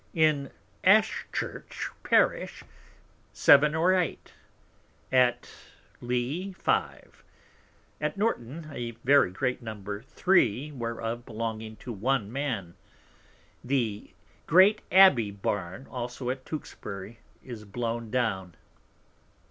In Ashchurch Parish seven or eight. At Lee, five. At Norton, a very great Number, three whereof belonging to one Man. The great Abby Barn also at Tewksbury is blown down.